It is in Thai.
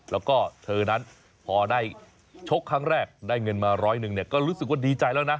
แล้วก็เธอนั้นพอได้ชกครั้งแรกได้เงินมาร้อยหนึ่งก็รู้สึกว่าดีใจแล้วนะ